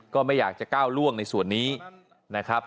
ก็ไม่อยากจะก้าวล่วงในส่วนนี้นะครับ